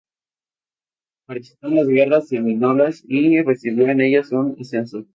Participó en las Guerras Seminolas y recibió en ellas un ascenso.